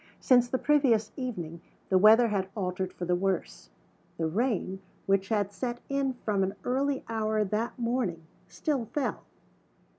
Since the previous evening the weather had altered for the worse. The rain, which had set in from an early hour that morning, still fell.